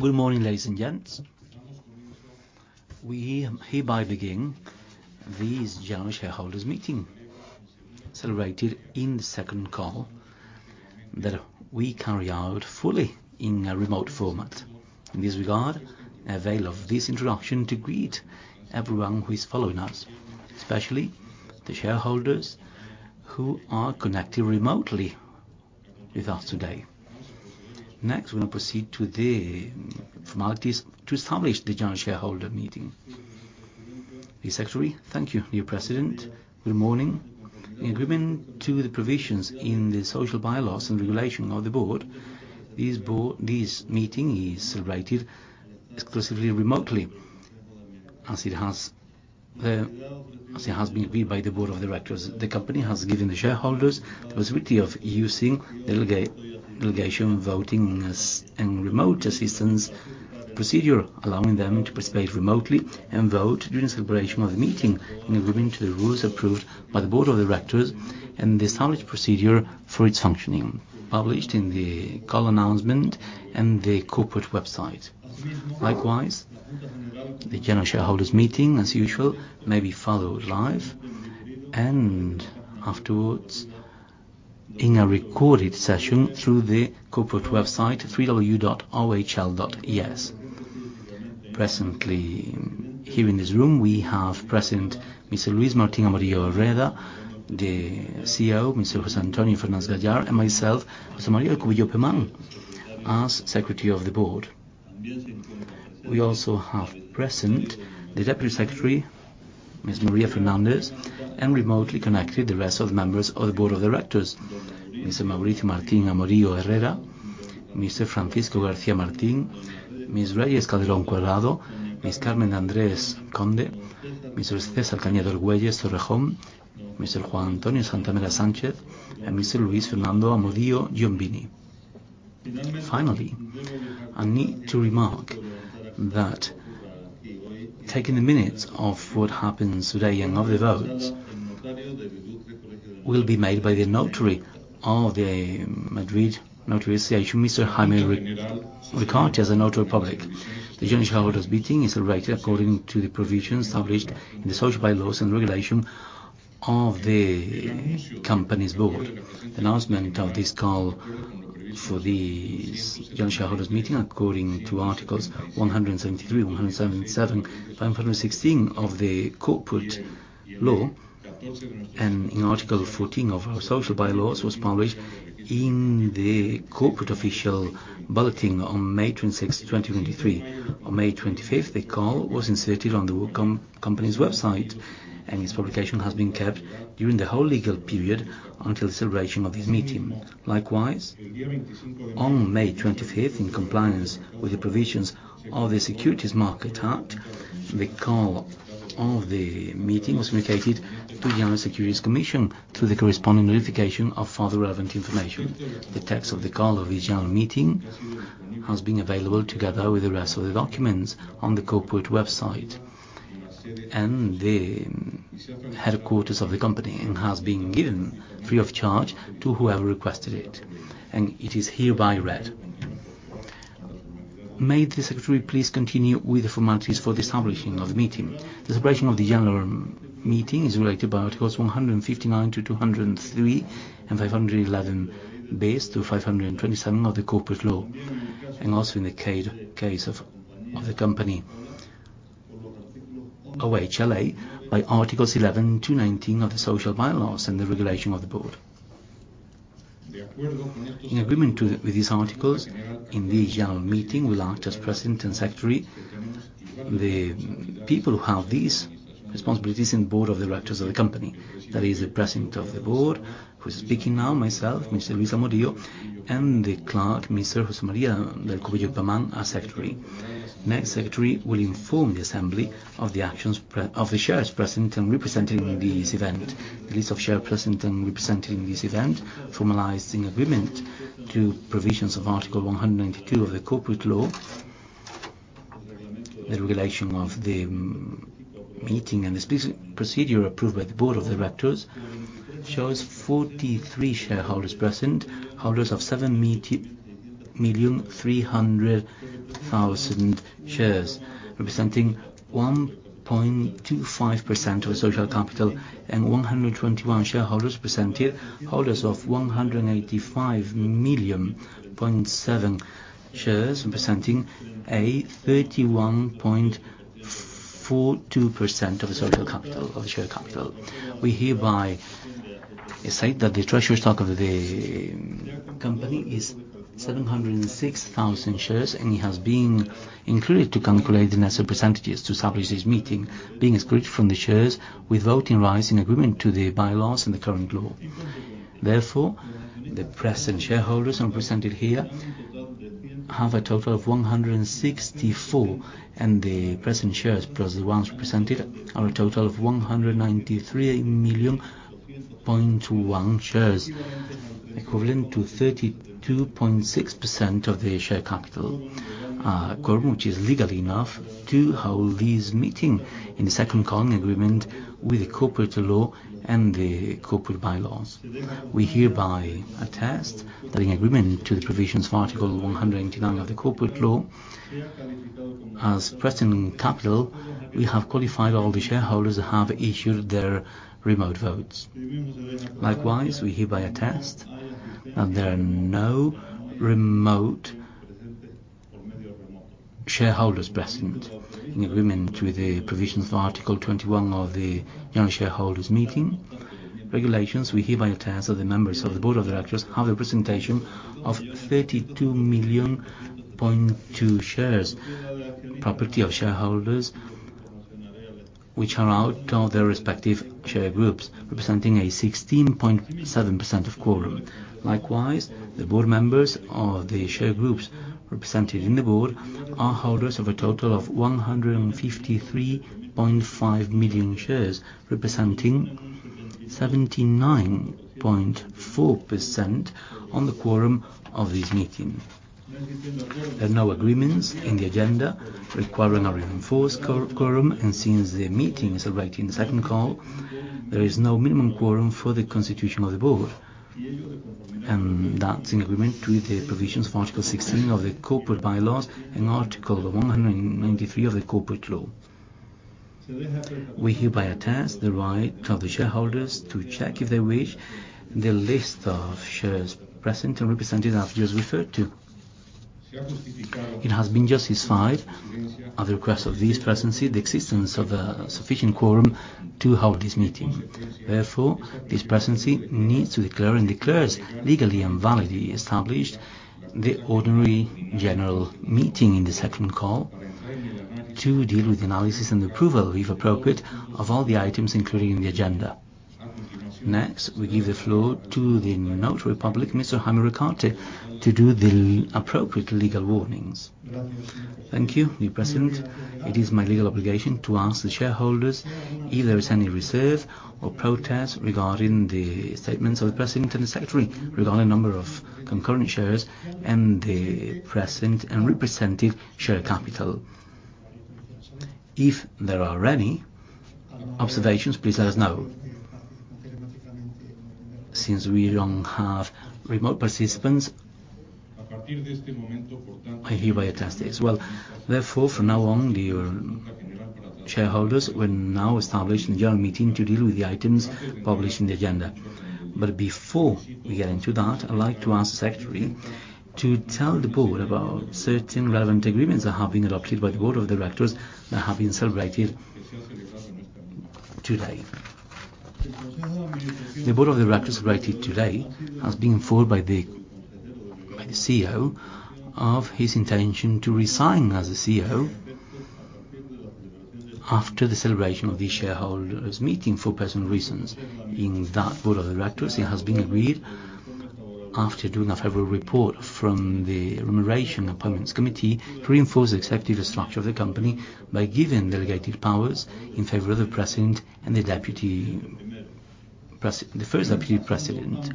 Good morning, ladies and gents. We hereby begin this general shareholders meeting, celebrated in the second call, that we carry out fully in a remote format. In this regard, I avail of this introduction to greet everyone who is following us, especially the shareholders who are connected remotely with us today. Next, we're going to proceed to the formalities to establish the general shareholder meeting. The secretary? Thank you, dear President. Good morning. In agreement to the provisions in the social bylaws and regulation of the board, this meeting is celebrated exclusively remotely, as it has been approved by the board of directors. The company has given the shareholders the possibility of using the delegation, voting, as, and remote assistance procedure, allowing them to participate remotely and vote during celebration of the meeting, in agreement to the rules approved by the board of directors and the established procedure for its functioning, published in the call announcement and the corporate website. Likewise, the general shareholders meeting, as usual, may be followed live and afterwards in a recorded session through the corporate website, www.ohl.es. Presently, here in this room, we have present Mr. Luis Martín Amodio Herrera, the CEO, Mr. José Antonio Fernández Gallar, and myself, José María del Cuvillo Pemán, as secretary of the board. We also have present the Deputy Secretary, Ms. María Fernández, and remotely connected, the rest of the members of the board of directors, Mr. Mauricio Martín Amodio Herrera, Mr. Francisco García Martín, Ms. Reyes Calderón Cuadrado, Ms. Carmen de Andrés Conde, Mr. César Cañedo-Argüelles Torrejón, Mr. Juan Antonio Santamera Sánchez, and Mr. Luis Fernando Amodio Giombini. Finally, I need to remark that taking the minutes of what happens today and of the votes, will be made by the notary of the Madrid Notary Association, Mr. Jaime Recarte, as a notary public. The general shareholders meeting is rated according to the provisions established in the social bylaws and regulation of the company's board. Announcement of this call for this general shareholders meeting, according to Articles 173, 177, and 516 of the law on corporations, and in Article 14 of our social bylaws, was published in the Corporate Official Bulletin on May 26, 2023. On May 25th, the call was inserted on the company's website, and its publication has been kept during the whole legal period until the celebration of this meeting. Likewise, on May 25th, in compliance with the provisions of the Securities Market Act, the call of the meeting was communicated to the National Securities Market Commission through the corresponding notification of further relevant information. The text of the call of this general meeting has been available, together with the rest of the documents, on the corporate website and the headquarters of the company, and has been given free of charge to whoever requested it, and it is hereby read. May the secretary please continue with the formalities for the establishing of the meeting. The celebration of the general meeting is regulated by articles 159 to 203, and 511, based to 527 of the Corporate Law, and also in the case of the company, OHLA, by articles 11 to 19 of the social bylaws and the regulation of the Board. In agreement with these articles, in this general meeting, we'll act as President and Secretary. The people who have these responsibilities in Board of Directors of the company, that is the President of the Board, who is speaking now, myself, Mr. Luis Amodio, and the clerk, Mr. José María del Cuvillo Pemán, as Secretary. Next, the Secretary will inform the assembly of the shares present and represented in this event. The list of share present and represented in this event, formalized in agreement to provisions of Article 192 of the Corporate Law. The regulation of the meeting and the procedure approved by the board of the directors shows 43 shareholders present, holders of 7,300,000 shares, representing 1.25% of the social capital, and 121 shareholders presented, holders of 185,000,000.7 shares, representing a 31.42% of the social capital, of the share capital. We hereby state that the treasury stock of the company is 706,000 shares, and it has been included to calculate the necessary percentages to establish this meeting, being excluded from the shares with voting rights in agreement to the bylaws and the current law. The present shareholders who are presented here have a total of 164, and the present shares, plus the ones represented, are a total of 193.1 million shares, equivalent to 32.6% of the share capital quorum, which is legally enough to hold this meeting in the second calling agreement with the corporate law and the corporate bylaws. We hereby attest that in agreement to the provisions of Article 189 of the corporate law, as present in capital, we have qualified all the shareholders that have issued their remote votes. We hereby attest that there are no remote shareholders present. In agreement with the provisions of Article 21 of the General Shareholders Meeting Regulations, we hereby attest that the members of the Board of Directors have a presentation of 32.2 million shares, property of shareholders, which are out of their respective share groups, representing a 16.7% of quorum. Likewise, the board members of the share groups represented in the board are holders of a total of 153.5 million shares, representing 79.4% on the quorum of this meeting. There are no agreements in the agenda requiring a reinforced quorum, and since the meeting is already in the second call, there is no minimum quorum for the constitution of the board. That's in agreement with the provisions of Article 16 of the Corporate Bylaws and Article 193 of the Corporate Law. We hereby attest the right of the shareholders to check, if they wish, the list of shares present and represented I've just referred to. It has been justified, at the request of this presidency, the existence of a sufficient quorum to hold this meeting. This presidency needs to declare, and declares, legally and validly established, the ordinary general meeting in the second call to deal with the analysis and approval, if appropriate, of all the items included in the agenda. We give the floor to the Notary Public, Mr. Jaime Recarte, to do the appropriate legal warnings. Thank you, new President. It is my legal obligation to ask the shareholders if there is any reserve or protest regarding the statements of the president and the secretary regarding the number of concurrent shares and the present and representative share capital. If there are any observations, please let us know. Since we don't have remote participants, I hereby attest this. Therefore, from now on, dear shareholders, we now establish the general meeting to deal with the items published in the agenda. Before we get into that, I'd like to ask the Secretary to tell the board about certain relevant agreements that have been adopted by the Board of Directors that have been celebrated today. The Board of Directors, celebrated today, has been informed by the CEO of his intention to resign as the CEO after the celebration of the shareholders meeting, for personal reasons. In that Board of the Directors, it has been agreed, after doing a favorable report from the Remuneration and Appointments Committee, to reinforce the executive structure of the company by giving delegated powers in favor of the president and the first deputy president.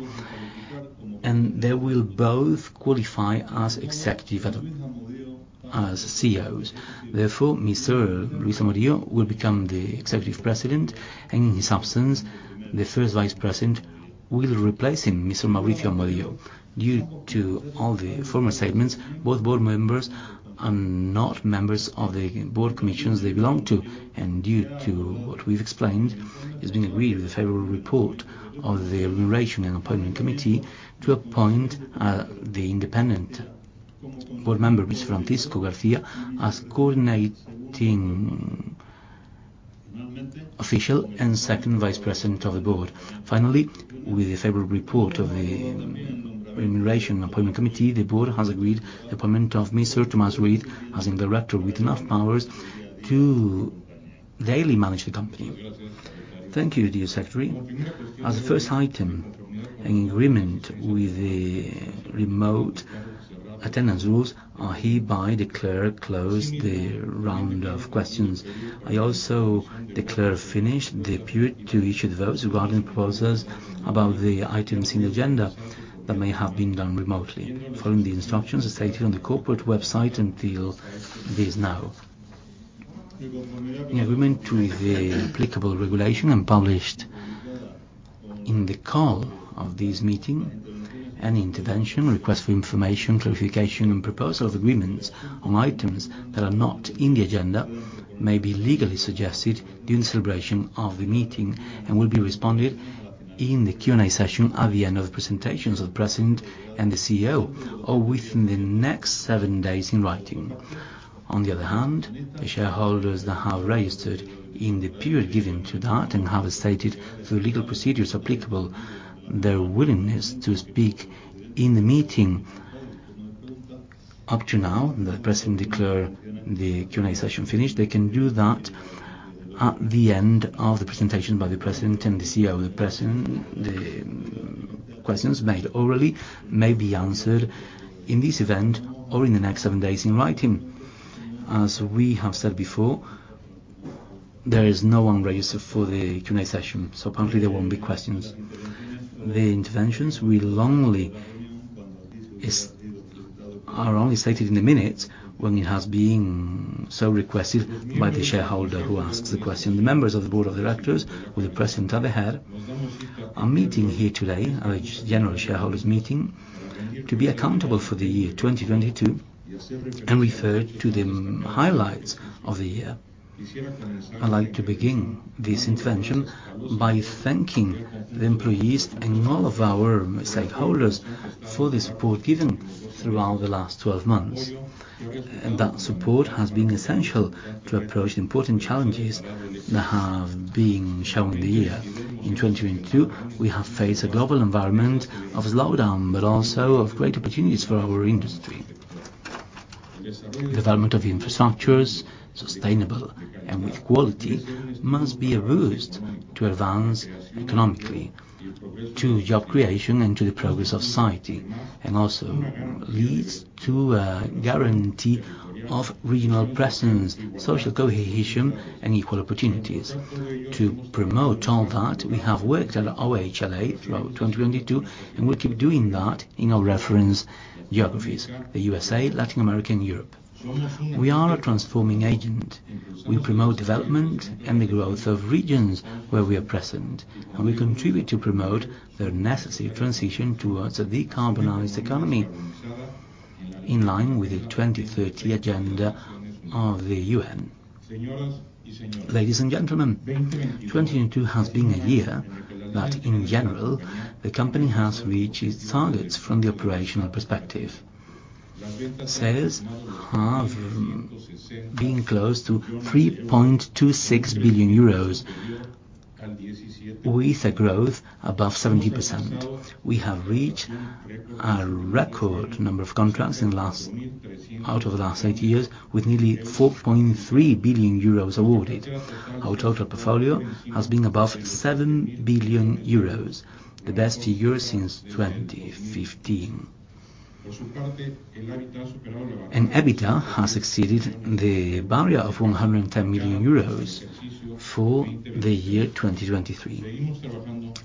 They will both qualify as executive and as CEOs. Mr. Luis Amodio will become the executive president, and in his absence, the first vice president will replace him, Mr. Mauricio Amodio. Due to all the former statements, both board members are not members of the board commissions they belong to. Due to what we've explained, it's been agreed with the favorable report of the Remuneration and Appointment Committee, to appoint the independent board member, Mr. Francisco García, as coordinating official and second vice president of the board. Finally, with the favorable report of the Appointments and Remuneration Committee, the board has agreed the appointment of Mr. Tomás Ruiz González, as a director with enough powers to daily manage the company. Thank you, dear Secretary. As a first item, in agreement with the remote attendance rules, I hereby declare closed the round of questions. I also declare finished the period to issue the votes regarding proposals about the items in the agenda that may have been done remotely, following the instructions stated on the corporate website until this now. In agreement to the applicable regulation and published in the call of this meeting, any intervention or request for information, clarification, and proposal of agreements on items that are not in the agenda may be legally suggested during the celebration of the meeting, and will be responded in the Q&A session at the end of the presentations of the president and the CEO, or within the next seven days in writing. On the other hand, the shareholders that have registered in the period given to that, and have stated, through legal procedures applicable, their willingness to speak in the meeting up to now, the president declare the Q&A session finished. They can do that at the end of the presentation by the president and the CEO. The president, questions made orally may be answered in this event or in the next seven days in writing. As we have said before, there is no one registered for the Q&A session, so apparently, there won't be questions. The interventions are only stated in the minutes when it has been so requested by the shareholder who asks the question. The members of the board of directors, with the president at the head, are meeting here today, our general shareholders meeting, to be accountable for the year 2022, and refer to the highlights of the year. I'd like to begin this intervention by thanking the employees and all of our stakeholders for the support given throughout the last 12 months. That support has been essential to approach the important challenges that have been shown in the year. In 2022, we have faced a global environment of slowdown, but also of great opportunities for our industry. Development of infrastructures, sustainable and with quality, must be a boost to advance economically, to job creation, and to the progress of society, and also leads to a guarantee of regional presence, social cohesion, and equal opportunities. To promote all that, we have worked at OHLA throughout 2022, and we'll keep doing that in our reference geographies, the U.S.A., Latin America, and Europe. We are a transforming agent. We promote development and the growth of regions where we are present, and we contribute to promote the necessary transition towards a decarbonized economy, in line with the 2030 agenda of the U.N. Ladies and gentlemen, 2022 has been a year that, in general, the company has reached its targets from the operational perspective. Sales have been close to 3.26 billion euros, with a growth above 70%. We have reached a record number of contracts out of the last eight years, with nearly 4.3 billion euros awarded. Our total portfolio has been above 7 billion euros, the best year since 2015. EBITDA has exceeded the barrier of 110 million euros for the year 2023.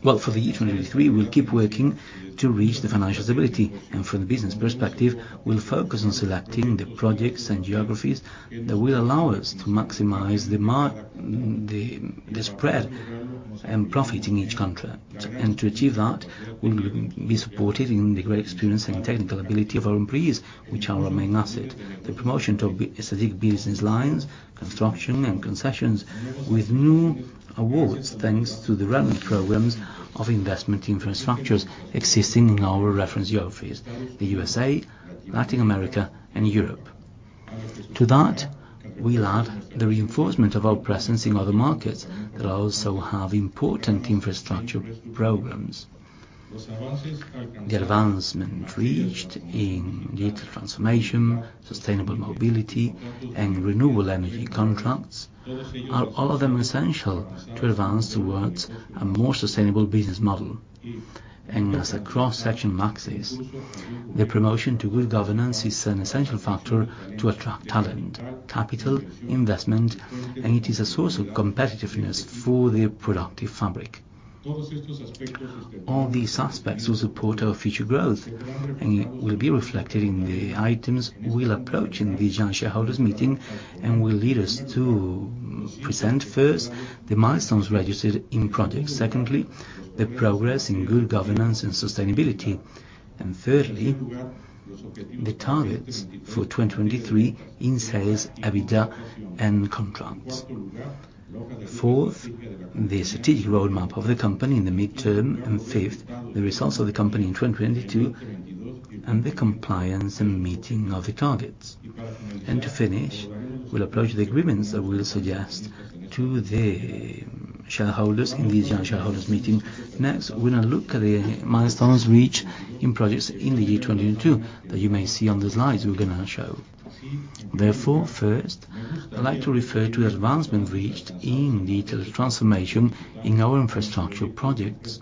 Well, for the year 2023, we'll keep working to reach the financial stability, and from the business perspective, we'll focus on selecting the projects and geographies that will allow us to maximize the spread and profit in each contract. To achieve that, we'll be supported in the great experience and technical ability of our employees, which are our main asset. The promotion of strategic business lines, construction and concessions, with new awards, thanks to the relevant programs of investment in infrastructures existing in our reference geographies, the USA, Latin America, and Europe. To that, we'll add the reinforcement of our presence in other markets that also have important infrastructure programs. The advancement reached in digital transformation, sustainable mobility, and renewable energy contracts are all of them essential to advance towards a more sustainable business model. As a cross-section axis, the promotion to good governance is an essential factor to attract talent, capital investment, and it is a source of competitiveness for the productive fabric. All these aspects will support our future growth. It will be reflected in the items we'll approach in the general shareholders' meeting, and will lead us to present, first, the milestones registered in projects; secondly, the progress in good governance and sustainability; and thirdly, the targets for 2023 in sales, EBITDA, and contracts. Fourth, the strategic roadmap of the company in the midterm. Fifth, the results of the company in 2022, and the compliance and meeting of the targets. To finish, we'll approach the agreements that we'll suggest to the shareholders in the general shareholders' meeting. Next, we're going to look at the milestones reached in projects in the year 2022, that you may see on the slides we're going to show. Therefore, first, I'd like to refer to the advancement reached in digital transformation in our infrastructure projects.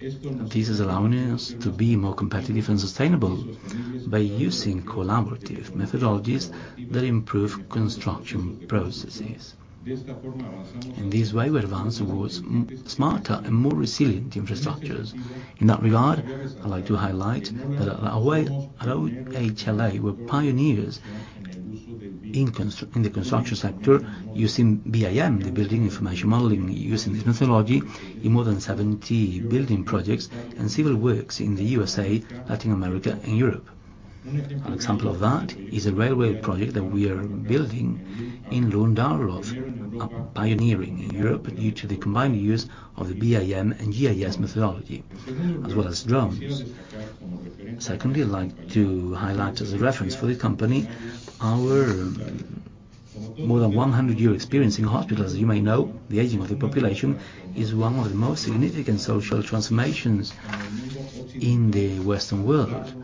This is allowing us to be more competitive and sustainable by using collaborative methodologies that improve construction processes. In this way, we advance towards smarter and more resilient infrastructures. In that regard, I'd like to highlight that our way at OHLA, we're pioneers in the construction sector using BIM, the Building Information Modeling, using this methodology in more than 70 building projects and civil works in the USA, Latin America, and Europe. An example of that is a railway project that we are building in Lund, Arlöv, pioneering in Europe due to the combined use of the BIM and GIS methodology, as well as drones. Secondly, I'd like to highlight as a reference for the company, our more than 100-year experience in hospitals. As you may know, the aging of the population is one of the most significant social transformations in the Western world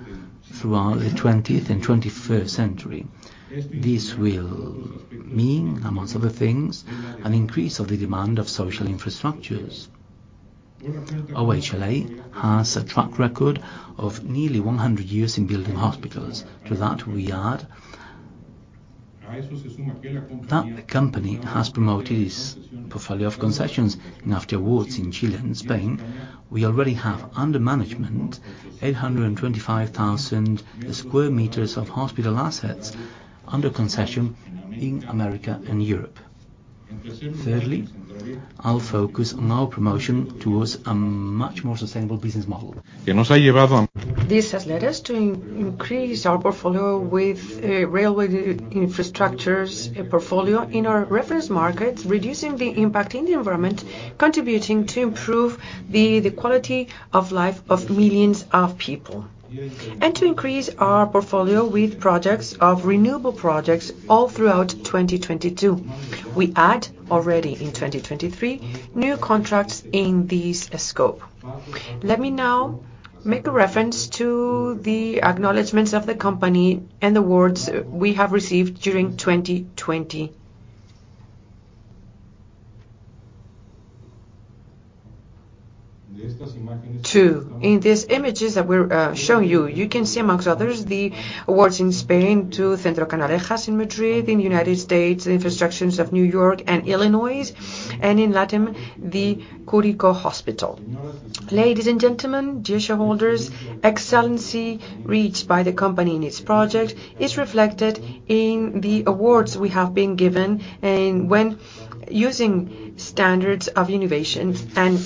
throughout the twentieth and twenty-first century. This will mean, amongst other things, an increase of the demand of social infrastructures. OHLA has a track record of nearly 100 years in building hospitals. To that we add, that the company has promoted its portfolio of concessions, and after awards in Chile and Spain, we already have under management 825,000 square meters of hospital assets under concession in America and Europe. Thirdly, I'll focus on our promotion towards a much more sustainable business model. This has led us to increase our portfolio with railway infrastructures portfolio in our reference markets, reducing the impact in the environment, contributing to improve the quality of life of millions of people, and to increase our portfolio with projects of renewable projects all throughout 2022. We add already in 2023, new contracts in this scope. Let me now make a reference to the acknowledgments of the company and awards we have received during 2022. In these images that we're showing you can see, amongst others, the awards in Spain to Centro Canalejas in Madrid, in the United States, the infrastructures of New York and Illinois, and in Latin, the Curicó Hospital. Ladies and gentlemen, dear shareholders, excellency reached by the company in its project is reflected in the awards we have been given, and when using standards of innovation and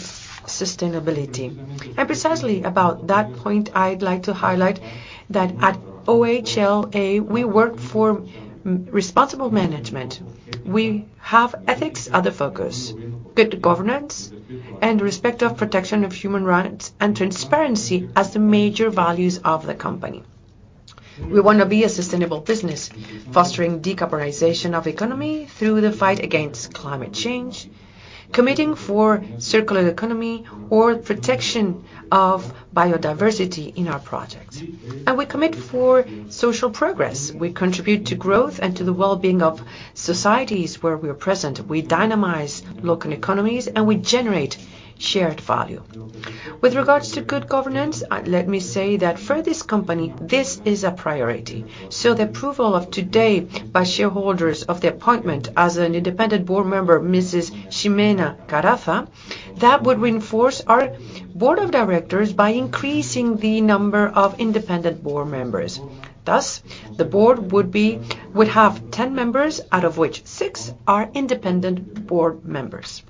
sustainability. Precisely about that point, I'd like to highlight that at OHLA, we work for responsible management. We have ethics at the focus, good governance, and respect of protection of human rights and transparency as the major values of the company. We want to be a sustainable business, fostering decarbonization of economy through the fight against climate change, committing for circular economy or protection of biodiversity in our projects. We commit for social progress. We contribute to growth and to the well-being of societies where we are present. We dynamize local economies, and we generate shared value. With regards to good governance, let me say that for this company, this is a priority. The approval of today by shareholders of the appointment as an independent board member, Mrs. Ximena Caraza, that would reinforce our board of directors by increasing the number of independent board members. Thus, the board would have 10 members, out of which 6 are independent board members.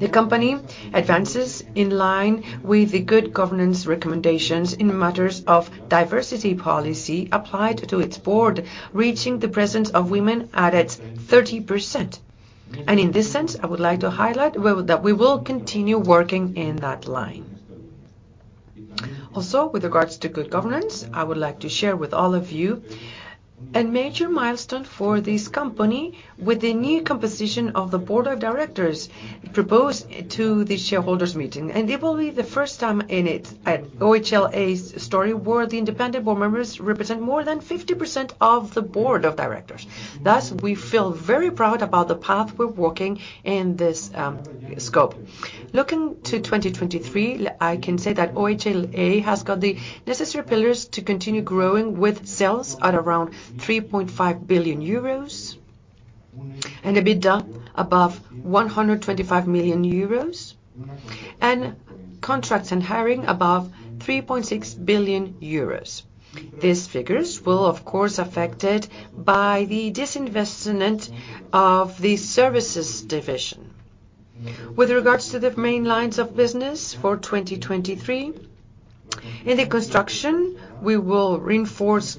The company advances in line with the good governance recommendations in matters of diversity policy applied to its board, reaching the presence of women at its 30%. In this sense, I would like to highlight that we will continue working in that line. Also, with regards to good governance, I would like to share with all of you a major milestone for this company with the new composition of the board of directors proposed to the shareholders' meeting, it will be the first time in it, at OHLA's story, where the independent board members represent more than 50% of the board of directors. Thus, we feel very proud about the path we're walking in this scope. Looking to 2023, I can say that OHLA has got the necessary pillars to continue growing with sales at around 3.5 billion euros, and EBITDA above 125 million euros, and contracts and hiring above 3.6 billion euros. These figures will, of course, affected by the disinvestment of the services division. With regards to the main lines of business for 2023, in the construction, we will reinforce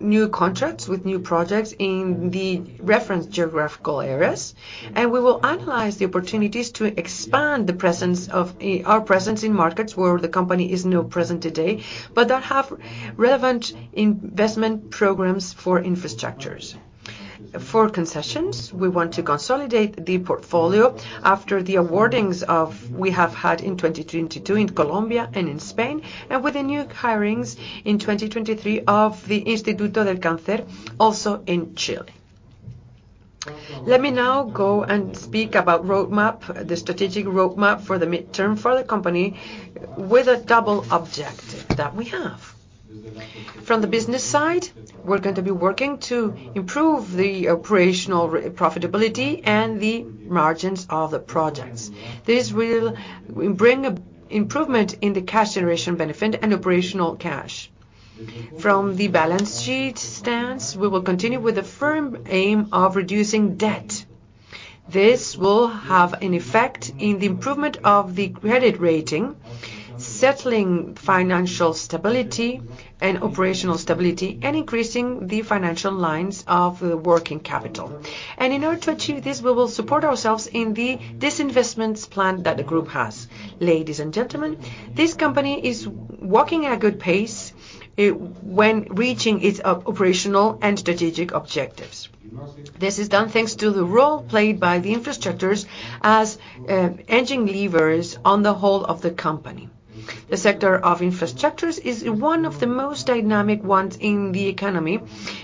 new contracts with new projects in the reference geographical areas, and we will analyze the opportunities to expand the presence of our presence in markets where the company is not present today, but that have relevant investment programs for infrastructures. For concessions, we want to consolidate the portfolio after the awardings we have had in 2022 in Colombia and in Spain, and with the new hirings in 2023 of the Instituto del Cáncer, also in Chile. Let me now go and speak about roadmap, the strategic roadmap for the midterm for the company, with a double objective that we have. From the business side, we're going to be working to improve the operational profitability and the margins of the projects. This will bring a improvement in the cash generation benefit and operational cash. From the balance sheet stance, we will continue with the firm aim of reducing debt. This will have an effect in the improvement of the credit rating, settling financial stability and operational stability, and increasing the financial lines of the working capital. In order to achieve this, we will support ourselves in the disinvestment plan that the group has. Ladies and gentlemen, this company is walking at a good pace, when reaching its operational and strategic objectives. This is done thanks to the role played by the infrastructures as engine levers on the whole of the company. The sector of infrastructures is one of the most dynamic ones in the economy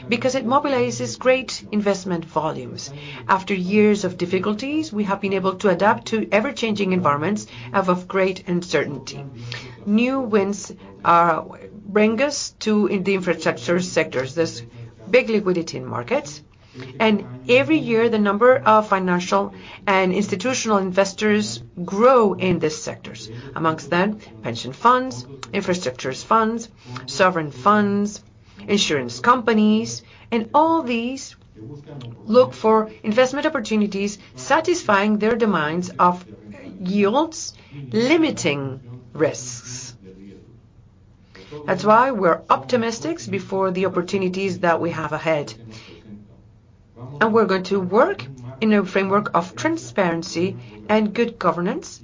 because it mobilizes great investment volumes. After years of difficulties, we have been able to adapt to ever-changing environments of great uncertainty. New winds bring us to in the infrastructure sectors, this big liquidity in markets, and every year, the number of financial and institutional investors grow in these sectors. Amongst them, pension funds, infrastructures funds, sovereign funds, insurance companies, and all these look for investment opportunities, satisfying their demands of yields, limiting risks. That's why we're optimistic before the opportunities that we have ahead. We're going to work in a framework of transparency and good governance,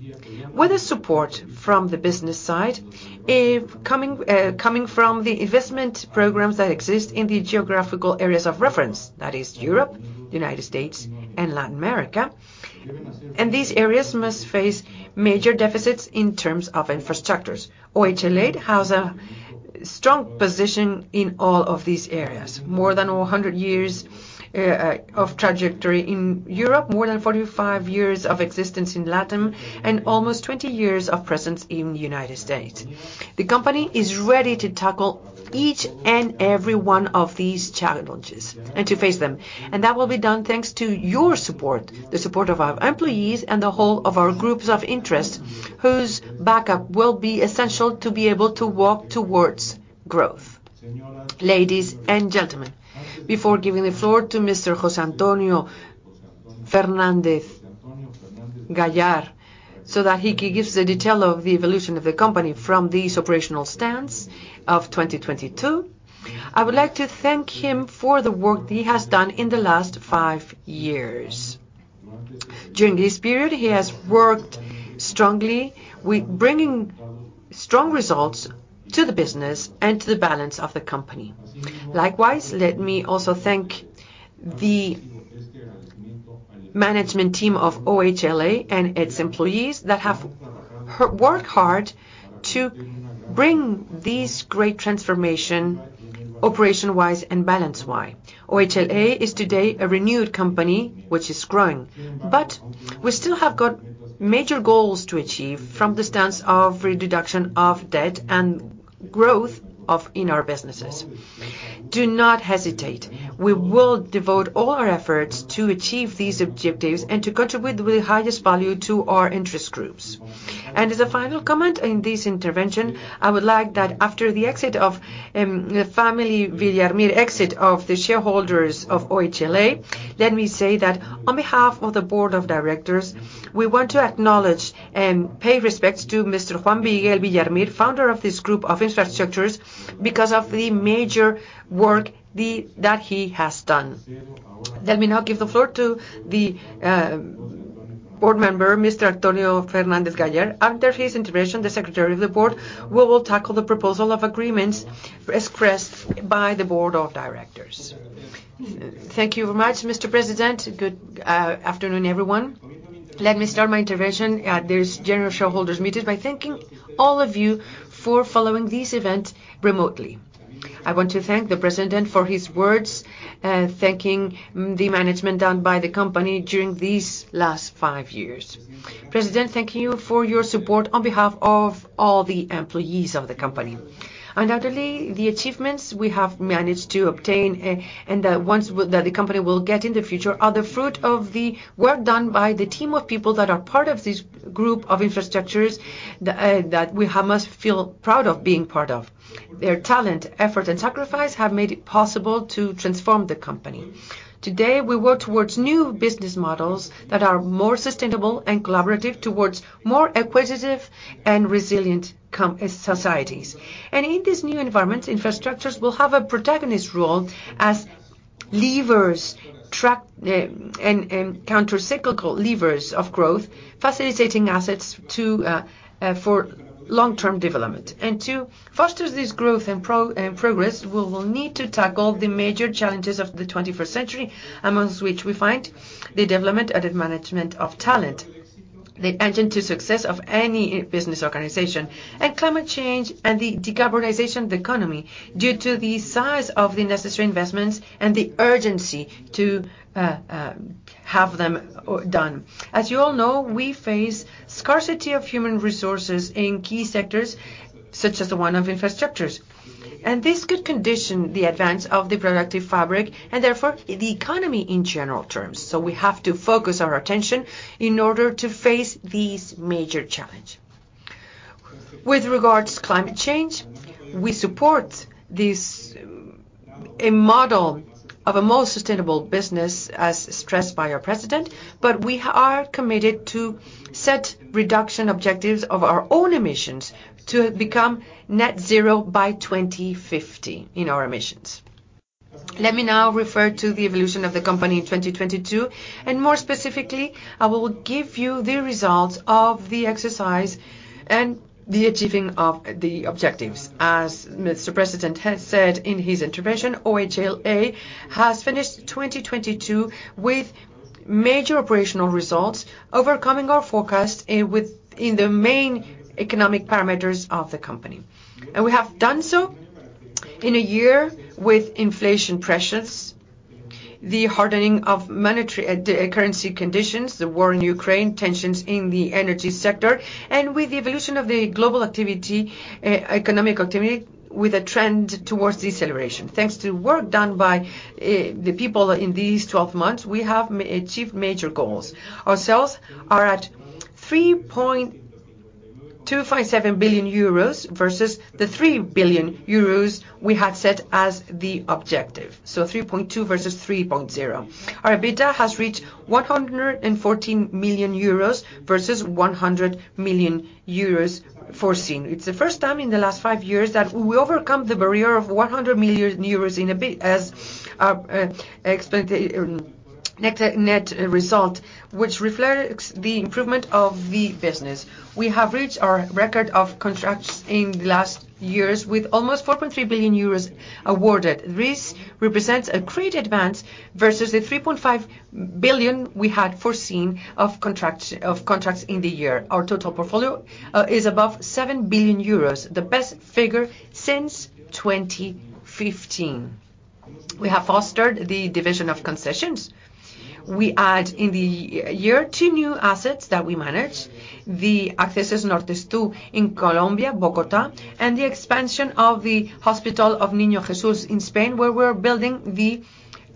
with the support from the business side, if coming from the investment programs that exist in the geographical areas of reference, that is Europe, United States, and Latin America. These areas must face major deficits in terms of infrastructures. OHLA has a strong position in all of these areas. More than 100 years of trajectory in Europe, more than 45 years of existence in Latin, and almost 20 years of presence in the United States. The company is ready to tackle each and every one of these challenges, and to face them. That will be done thanks to your support, the support of our employees and the whole of our groups of interest, whose backup will be essential to be able to work towards growth. Ladies and gentlemen, before giving the floor to Mr. José Antonio Fernández Gallar, so that he gives the detail of the evolution of the company from these operational stance of 2022, I would like to thank him for the work he has done in the last five years. During this period, he has worked strongly with bringing strong results to the business and to the balance of the company. Likewise, let me also thank the management team of OHLA and its employees that have worked hard to bring this great transformation, operation-wise and balance-wise. OHLA is today a renewed company, which is growing. We still have got major goals to achieve from the stance of reduction of debt and growth of in our businesses. Do not hesitate. We will devote all our efforts to achieve these objectives and to contribute with the highest value to our interest groups. As a final comment in this intervention, I would like that after the exit of the Family Villar Mir exit of the shareholders of OHLA, let me say that on behalf of the board of directors, we want to acknowledge and pay respects to Mr. Juan-Miguel Villar Mir, founder of this group of infrastructures, because of the major work that he has done. Let me now give the floor to the board member, Mr. Antonio Fernández Gallar. After his intervention, the secretary of the board, we will tackle the proposal of agreements expressed by the board of directors. Thank you very much, Mr. President. Good afternoon, everyone. Let me start my intervention at this general shareholders meeting by thanking all of you for following this event remotely. I want to thank the President for his words, thanking the management done by the company during these last five years. President, thank you for your support on behalf of all the employees of the company. Undoubtedly, the achievements we have managed to obtain, and the ones that the company will get in the future, are the fruit of the work done by the team of people that are part of this group of infrastructures, that we must feel proud of being part of. Their talent, effort, and sacrifice have made it possible to transform the company. Today, we work towards new business models that are more sustainable and collaborative, towards more equitable and resilient societies. In this new environment, infrastructures will have a protagonist role as levers, track, and countercyclical levers of growth, facilitating assets for long-term development. To foster this growth and progress, we will need to tackle the major challenges of the 21st century, amongst which we find the development and the management of talent, the engine to success of any business organization, and climate change and the decarbonization of the economy due to the size of the necessary investments and the urgency to have them done. As you all know, we face scarcity of human resources in key sectors, such as the one of infrastructures, and this could condition the advance of the productive fabric, and therefore, the economy in general terms. We have to focus our attention in order to face this major challenge. With regards to climate change, we support this, a model of a more sustainable business, as stressed by our president. We are committed to set reduction objectives of our own emissions to become net zero by 2050 in our emissions. Let me now refer to the evolution of the company in 2022, and more specifically, I will give you the results of the exercise and the achieving of the objectives. As Mr. President has said in his intervention, OHLA has finished 2022 with. major operational results, overcoming our forecast, with in the main economic parameters of the company. We have done so in a year with inflation pressures, the hardening of monetary currency conditions, the war in Ukraine, tensions in the energy sector, and with the evolution of the global activity, economic activity, with a trend towards deceleration. Thanks to work done by the people in these 12 months, we have achieved major goals. Our sales are at 3.257 billion euros, versus the 3 billion euros we had set as the objective, so 3.2 versus 3.0. Our EBITDA has reached 114 million euros, versus 100 million euros foreseen. It's the first time in the last five years that we overcome the barrier of 100 million euros in EBIT, as net result, which reflects the improvement of the business. We have reached our record of contracts in the last years, with almost 4.3 billion euros awarded. This represents a great advance versus the 3.5 billion we had foreseen of contracts in the year. Our total portfolio is above 7 billion euros, the best figure since 2015. We have fostered the division of concessions. We add, in the year, two new assets that we managed, the Accesos Norte 2 in Colombia, Bogotá, and the expansion of the Hospital Niño Jesús in Spain, where we're building the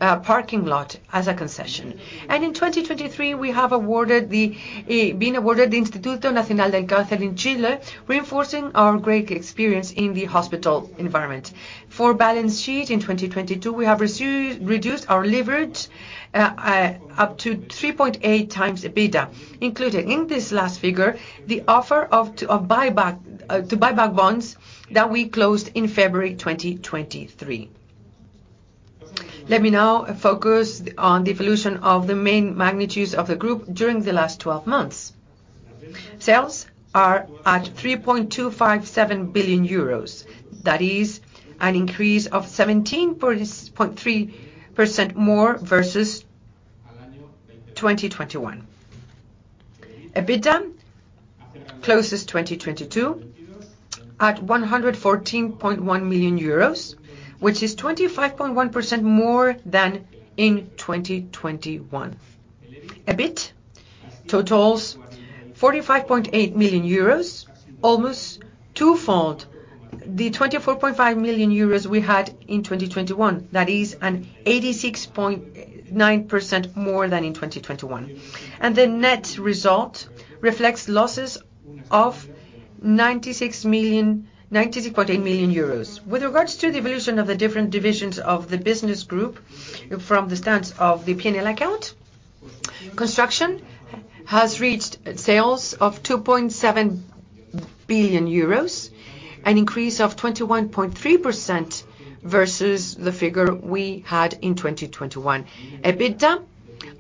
parking lot as a concession. In 2023, we have been awarded the Instituto Nacional del Cáncer in Chile, reinforcing our great experience in the hospital environment. For balance sheet in 2022, we have reduced our leverage up to 3.8 times the EBITDA, including in this last figure, the offer to buy back bonds that we closed in February 2023. Let me now focus on the evolution of the main magnitudes of the group during the last 12 months. Sales are at 3.257 billion euros. That is an increase of 17.3% more versus 2021. EBITDA closes 2022 at 114.1 million euros, which is 25.1% more than in 2021. EBIT totals 45.8 million euros, almost twofold the 24.5 million euros we had in 2021. That is an 86.9% more than in 2021. The net result reflects losses of 96.8 million euros. With regards to the evolution of the different divisions of the business group, from the stance of the P&L account, Construction has reached sales of 2.7 billion euros, an increase of 21.3% versus the figure we had in 2021. EBITDA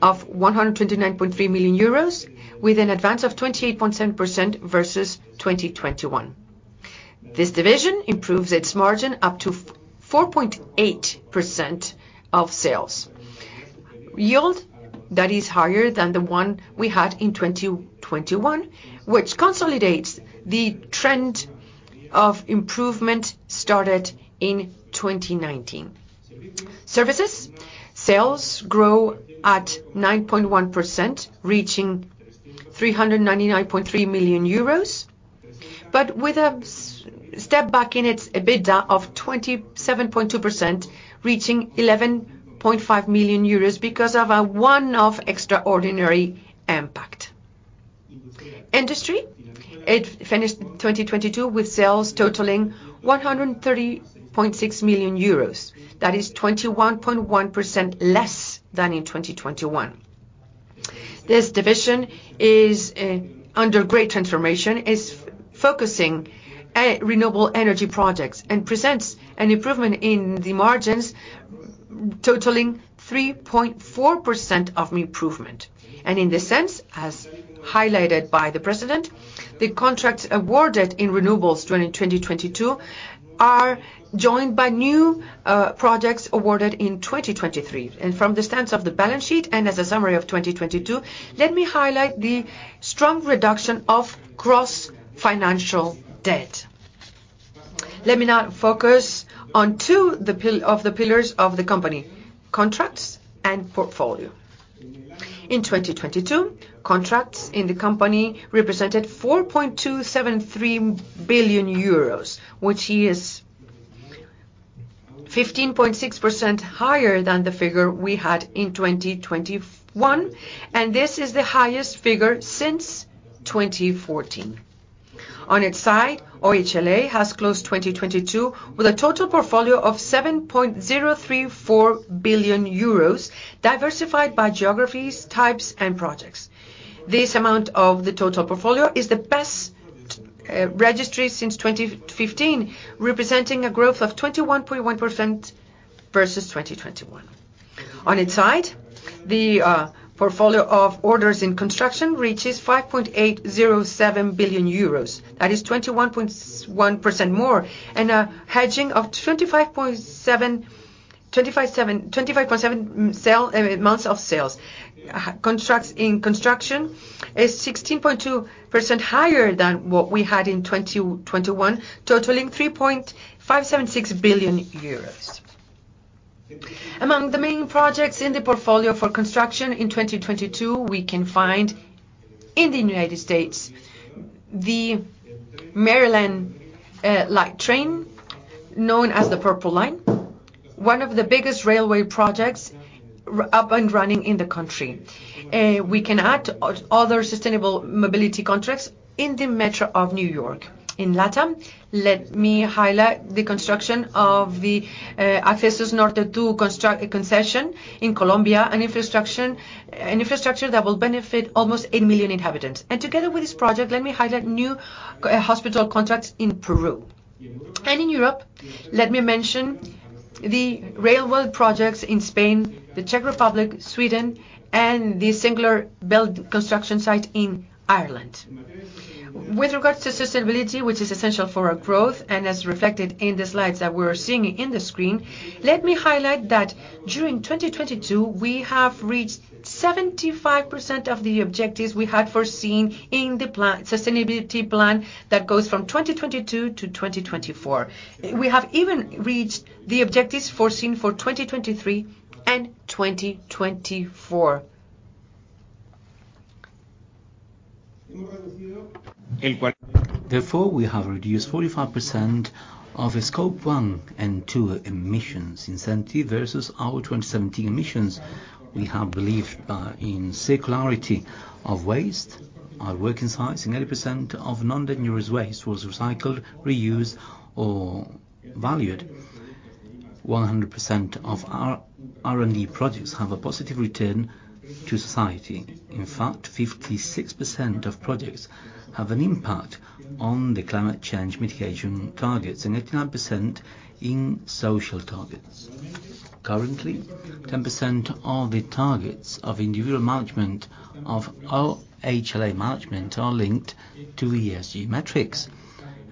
of 129.3 million euros, with an advance of 28.7% versus 2021. This division improves its margin up to 4.8% of sales. Yield, that is higher than the one we had in 2021, which consolidates the trend of improvement started in 2019. Services, sales grow at 9.1%, reaching 399.3 million euros, but with a step back in its EBITDA of 27.2%, reaching 11.5 million euros because of a one-off extraordinary impact. Industry, it finished 2022 with sales totaling 130.6 million euros. That is 21.1% less than in 2021. This division is under great transformation, is focusing renewable energy projects and presents an improvement in the margins, totaling 3.4% of improvement. In this sense, as highlighted by the president, the contracts awarded in renewables during 2022 are joined by new projects awarded in 2023. From the stance of the balance sheet, and as a summary of 2022, let me highlight the strong reduction of gross financial debt. Let me now focus on two the pillars of the company: contracts and portfolio. In 2022, contracts in the company represented 4.273 billion euros, which is 15.6% higher than the figure we had in 2021. This is the highest figure since 2014. On its side, OHLA has closed 2022 with a total portfolio of 7.034 billion euros, diversified by geographies, types, and projects. This amount of the total portfolio is the best registry since 2015, representing a growth of 21.1% versus 2021. On its side, the portfolio of orders in construction reaches 5.807 billion euros. That is 21.1% more and a hedging of 25.7 months of sales. constructs in construction is 16.2% higher than what we had in 2021, totaling 3.576 billion euros. Among the main projects in the portfolio for construction in 2022, we can find, in the United States, the Maryland light train, known as the Purple Line, one of the biggest railway projects up and running in the country. We can add other sustainable mobility contracts in the metro of New York. In LATAM, let me highlight the construction of the Accesos Norte 2 concession in Colombia, an infrastructure that will benefit almost 8 million inhabitants. Together with this project, let me highlight new hospital contracts in Peru. In Europe, let me mention the railway projects in Spain, the Czech Republic, Sweden, and the singular build construction site in Ireland. With regards to sustainability, which is essential for our growth and as reflected in the slides that we're seeing in the screen, let me highlight that during 2022, we have reached 75% of the objectives we had foreseen in the plan, sustainability plan, that goes from 2022 to 2024. We have even reached the objectives foreseen for 2023 and 2024. We have reduced 45% of Scope 1 and 2 emissions in 70 versus our 2017 emissions. We have believed in circularity of waste. Our working sites, 90% of non-dangerous waste was recycled, reused, or valued. 100% of our R&D projects have a positive return to society. In fact, 56% of projects have an impact on the climate change mitigation targets, and 89% in social targets. Currently, 10% of the targets of individual management, of our OHLA management, are linked to ESG metrics,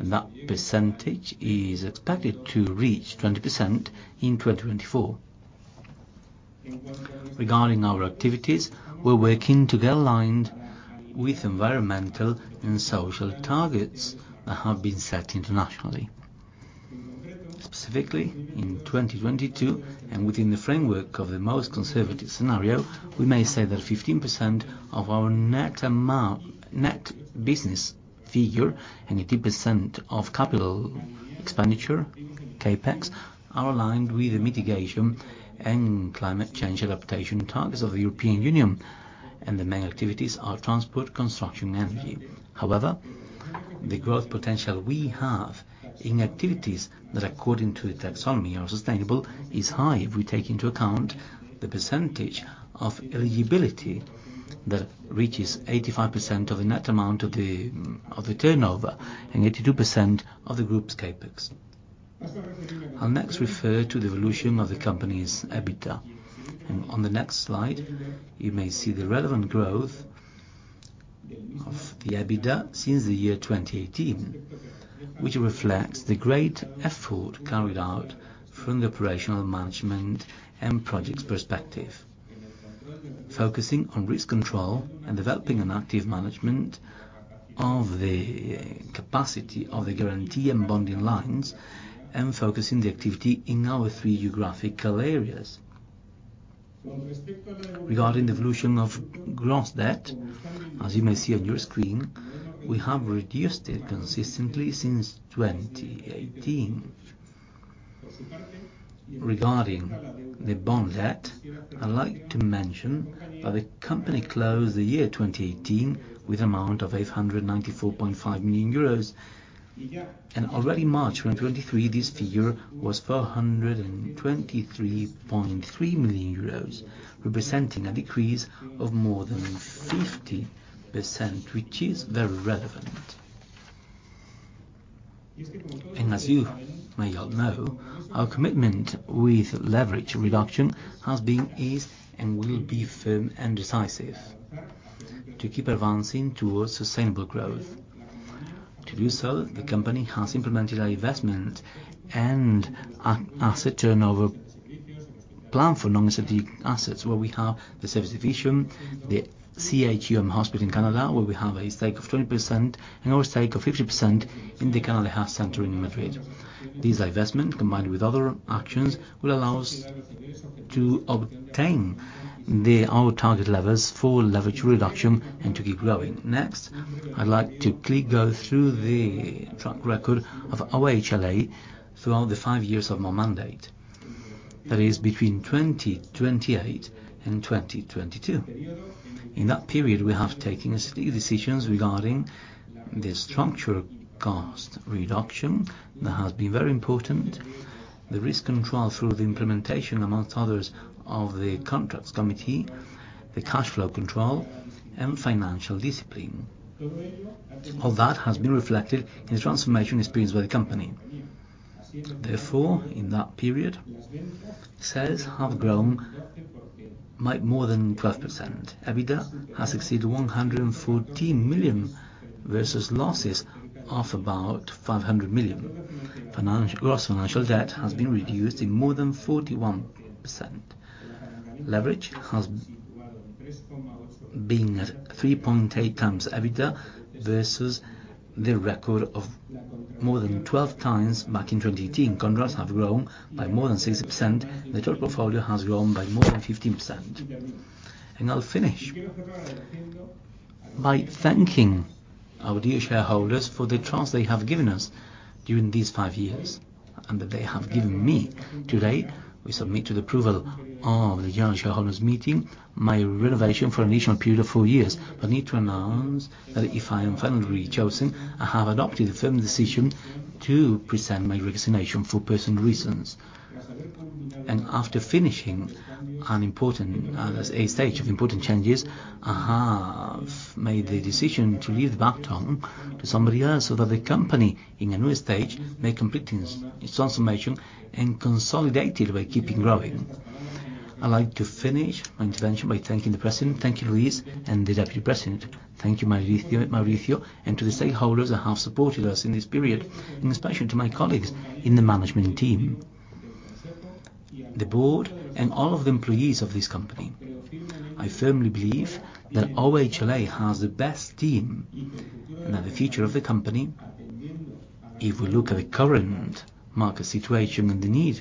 and that percentage is expected to reach 20% in 2024. Regarding our activities, we're working to get aligned with environmental and social targets that have been set internationally. Specifically, in 2022, and within the framework of the most conservative scenario, we may say that 15% of our net amount... Net business figure, and 80% of capital expenditure, CapEx, are aligned with the mitigation and climate change adaptation targets of the European Union, and the main activities are transport, construction, and energy. However, the growth potential we have in activities that, according to the taxonomy, are sustainable, is high if we take into account the percentage of eligibility that reaches 85% of the net amount of the turnover and 82% of the group's CapEx. I'll next refer to the evolution of the company's EBITDA. On the next slide, you may see the relevant growth of the EBITDA since the year 2018, which reflects the great effort carried out from the operational, management, and projects perspective. Focusing on risk control and developing an active management of the capacity of the guarantee and bonding lines, and focusing the activity in our three geographical areas. Regarding the evolution of gross debt, as you may see on your screen, we have reduced it consistently since 2018. Regarding the bond debt, I'd like to mention that the company closed the year 2018 with an amount of 894.5 million euros. In early March 2023, this figure was 423.3 million euros, representing a decrease of more than 50%, which is very relevant. As you may all know, our commitment with leverage reduction has been, is, and will be firm and decisive to keep advancing towards sustainable growth. To do so, the company has implemented an investment and asset turnover plan for non-asset... assets, where we have the service division, the CHUM hospital in Canada, where we have a stake of 20%, and our stake of 50% in the Canary Health Center in Madrid. This investment, combined with other actions, will allow us to obtain our target levels for leverage reduction and to keep growing. I'd like to quickly go through the track record of OHLA throughout the 5 years of my mandate, that is, between 2028 and 2022. In that period, we have taken decisions regarding the structural cost reduction. That has been very important. The risk control through the implementation, amongst others, of the contracts committee, the cash flow control, and financial discipline. All that has been reflected in the transformation experienced by the company. In that period, sales have grown by more than 12%. EBITDA has exceeded 114 million, versus losses of about 500 million. Financial, gross financial debt has been reduced in more than 41%. Leverage being at 3.8x EBITDA versus the record of more than 12 times back in 2018. Contracts have grown by more than 60%. The total portfolio has grown by more than 15%. I'll finish by thanking our dear shareholders for the trust they have given us during these five years, and that they have given me. Today, we submit to the approval of the general shareholders meeting, my renovation for an initial period of four years. I need to announce that if I am finally chosen, I have adopted a firm decision to present my resignation for personal reasons. After finishing an important, a stage of important changes, I have made the decision to leave the baton to somebody else, so that the company, in a new stage, may complete its transformation and consolidate it by keeping growing. I'd like to finish my intervention by thanking the President. Thank you, Luis, and the Deputy President, thank you, Mauricio, and to the stakeholders that have supported us in this period, and especially to my colleagues in the management team, the board, and all of the employees of this company. I firmly believe that OHLA has the best team, and that the future of the company, if we look at the current market situation and the need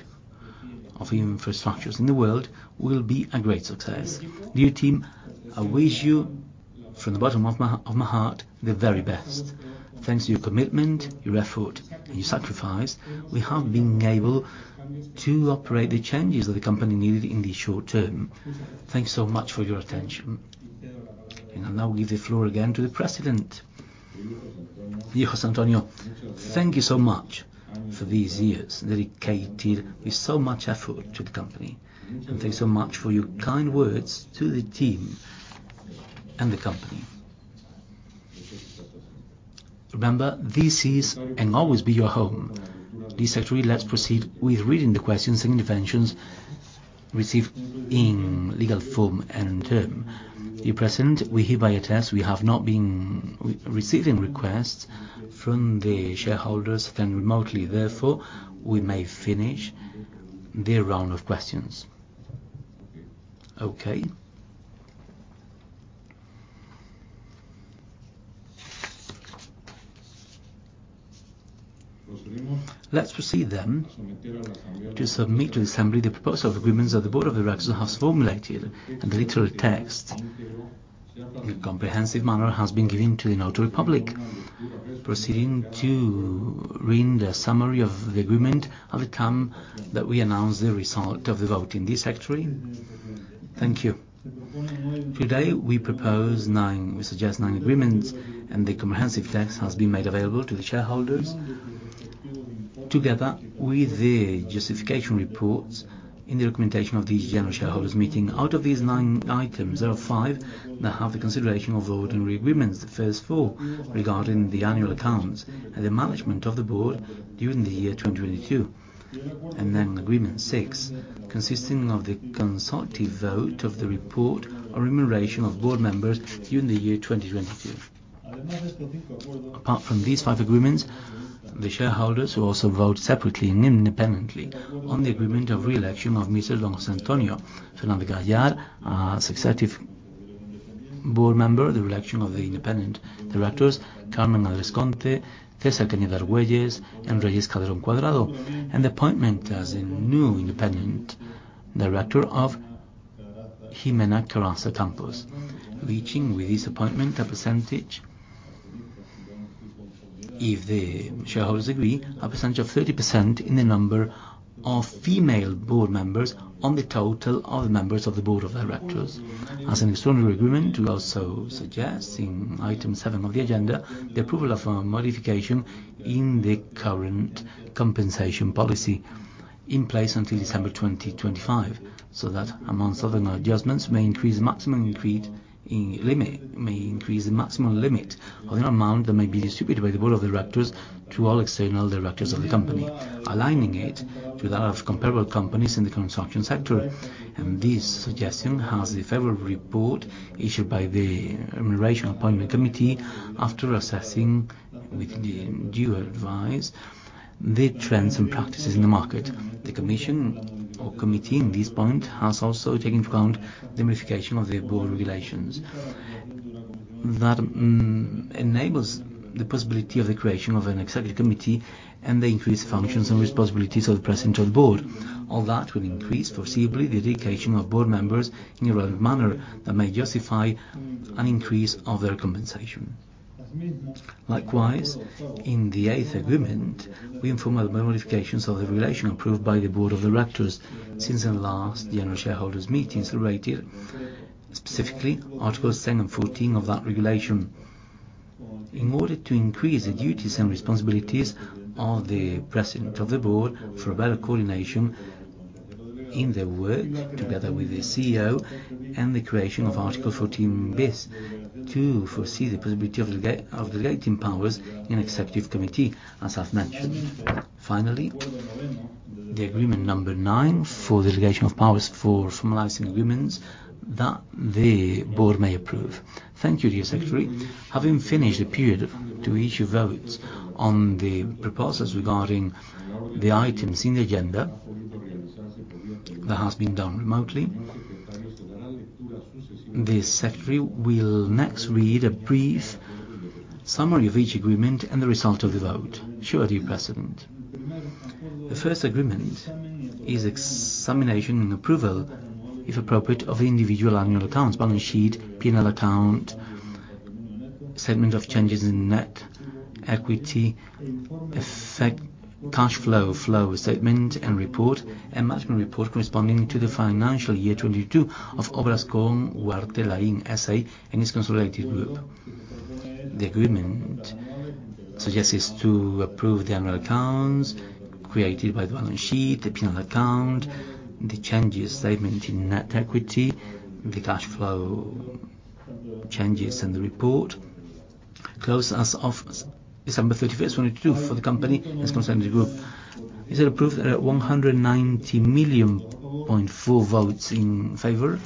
of infrastructures in the world, will be a great success. Dear team, I wish you, from the bottom of my heart, the very best. Thanks to your commitment, your effort, and your sacrifice, we have been able to operate the changes that the company needed in the short term. Thanks so much for your attention. I now give the floor again to the President. Dear José Antonio, thank you so much for these years dedicated with so much effort to the company. Thanks so much for your kind words to the team and the company. Remember, this is and always be your home. This actually, let's proceed with reading the questions and interventions received in legal form and term. Dear President, we hereby attest we have not been receiving requests from the shareholders then remotely, therefore, we may finish the round of questions. Okay. Let's proceed then, to submit to the assembly the proposal of agreements that the board of directors has formulated, and the literal text, in a comprehensive manner, has been given to the Notary Public. Proceeding to read the summary of the agreement and the term that we announce the result of the vote in this sector. Thank you. Today, we suggest 9 agreements, and the comprehensive text has been made available to the shareholders, together with the justification reports in the recommendation of this general shareholders meeting. Out of these 9 items, there are 5 that have the consideration of ordinary agreements. The first 4 regarding the annual accounts and the management of the board during the year 2022, and then agreement 6, consisting of the consultative vote of the report or remuneration of board members during the year 2022. Apart from these five agreements, the shareholders will also vote separately and independently on the agreement of re-election of Mr. José Antonio Fernández Gallar, as executive board member, the re-election of the independent directors, Carmen de Andrés Conde, César Cañedo-Argüelles Torrejón, and Reyes Calderón Cuadrado, and the appointment as a new independent director of Ximena Caraza Campos. Reaching with this appointment, a percentage, if the shareholders agree, a percentage of 30% in the number of female board members on the total of members of the board of directors. As an extraordinary agreement, we also suggest in item 7 of the agenda, the approval of a modification in the current compensation policy in place until December 2025, so that among other adjustments, may increase the maximum limit of the amount that may be distributed by the board of directors to all external directors of the company, aligning it to that of comparable companies in the construction sector. This suggestion has the favorable report issued by the Appointments and Remuneration Committee, after assessing with the due advice, the trends and practices in the market. The commission or committee, in this point, has also taken into account the modification of the board regulations. That enables the possibility of the creation of an executive committee and the increased functions and responsibilities of the president of the board. All that will increase foreseeably, the dedication of board members in a relevant manner that may justify an increase of their compensation. Likewise, in the eighth agreement, we inform about the modifications of the regulation approved by the board of the directors since the last General Shareholders Meeting, specifically Article second and 14 of that regulation. In order to increase the duties and responsibilities of the President of the Board for a better coordination in the work together with the CEO, and the creation of Article 14 bis to foresee the possibility of delegating powers in Executive Committee, as I've mentioned. Finally, the agreement number nine, for the delegation of powers for formalizing agreements that the board may approve. Thank you, dear Secretary. Having finished the period to issue votes on the proposals regarding the items in the agenda, that has been done remotely. The secretary will next read a brief summary of each agreement and the result of the vote. Sure, dear President. The first agreement is examination and approval, if appropriate, of the individual annual accounts, balance sheet, P&L account, statement of changes in net equity, effect, cash flow statement and report, and management report corresponding to the financial year 2022 of Obrascón Huarte Lain, S.A. and its consolidated group. The agreement suggests is to approve the annual accounts created by the balance sheet, the P&L account, the changes statement in net equity, the cash flow changes, and the report close as of December 31st, 2022, for the company and its consolidated group. Is it approved? There are 190.4 million votes in favor,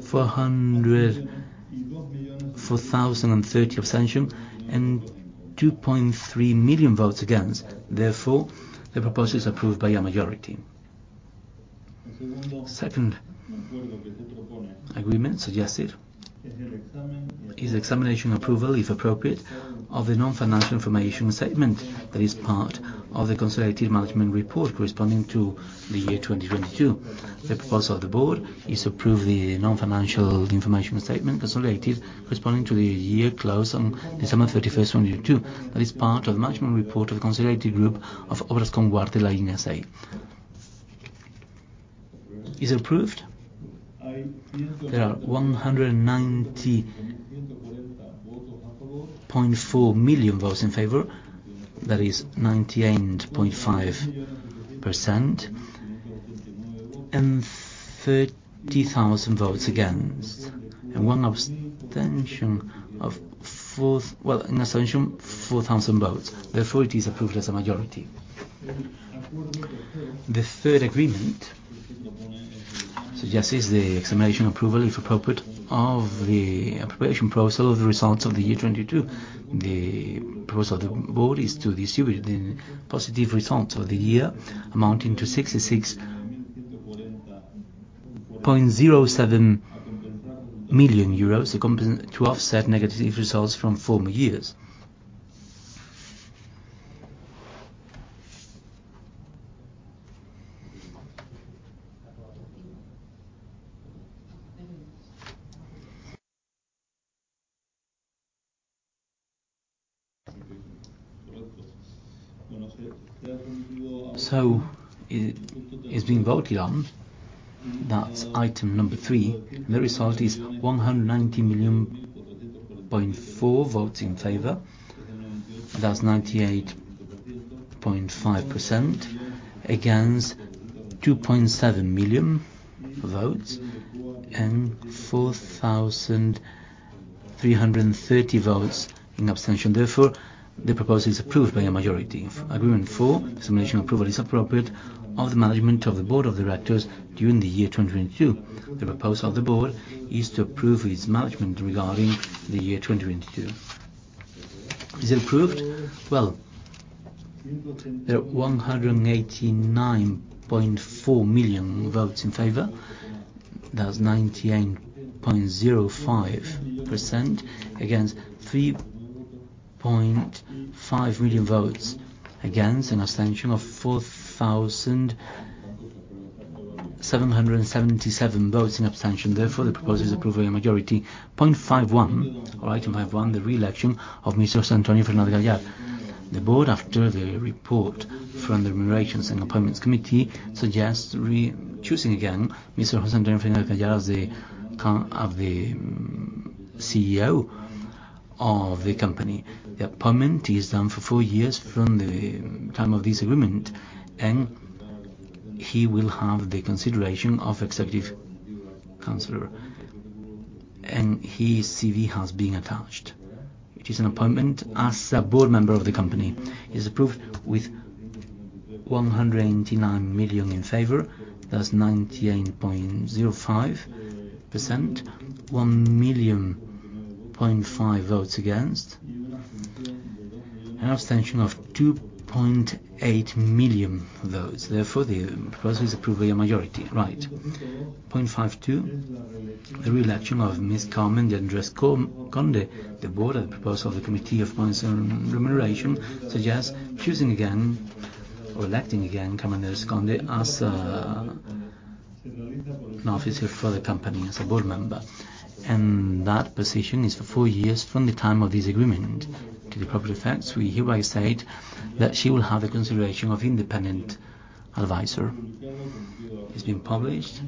404,030 abstentions, and 2.3 million votes against. Therefore, the proposal is approved by a majority. Second agreement suggested is examination approval, if appropriate, of the non-financial information statement that is part of the consolidated management report corresponding to the year 2022. The proposal of the board is to approve the non-financial information statement consolidated, corresponding to the year closed on December 31st, 2022, that is part of the management report of the consolidated group of Obrascón Huarte Lain, S.A. Is it approved? There are 190.4 million votes in favor. That is 98.5%, and 30,000 votes against, and an abstention, 4,000 votes. Therefore, it is approved as a majority. The third agreement suggests is the examination approval, if appropriate, of the preparation process of the results of the year 2022. The proposal of the board is to distribute the positive results of the year, amounting to 66.07 million euros, accompanied to offset negative results from former years. It's being voted on. That's item number three. The result is 190.4 million votes in favor. That's 98.5%. Against, 2.7 million votes, and 4,330 votes in abstention. Therefore, the proposal is approved by a majority. Agreement four, examination approval is appropriate of the management of the board of directors during the year 2022. The proposal of the board is to approve its management regarding the year 2022. Is it approved? Well, there are 189.4 million votes in favor. That's 98.05%. Against, 3.5 million votes against, and abstention of 4,777 votes in abstention. Therefore, the proposal is approved by a majority. Point 5.1 or item 5.1, the re-election of Mr. Antonio Fernández Gallar. The board, after the report from the Remuneration and Appointments Committee, suggests re-choosing again, Mr. José Antonio Fernández Gallar as the CEO of the company. The appointment is done for 4 years from the time of this agreement, and he will have the consideration of executive counselor, and his CV has been attached, which is an appointment as a board member of the company. It's approved with 189 million in favor. That's 98.05%. 1.5 million votes against, an abstention of 2.8 million votes. Therefore, the proposal is approved by a majority. Right. Point 5.2, the re-election of Ms. Carmen de Andrés Conde. The board, at the proposal of the Appointments and Remuneration Committee, suggests choosing again or electing again, Carmen de Andrés Conde, as an officer for the company, as a board member, and that position is for 4 years from the time of this agreement. To the proper effects, we hereby state that she will have the consideration of independent advisor. It's been published.